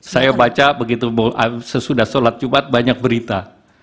saya baca begitu sesudah sholat jumat banyak berita